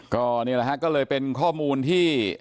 ก็นี่แหละฮะก็เลยเป็นข้อมูลที่